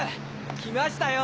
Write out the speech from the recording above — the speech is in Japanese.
来ましたよ。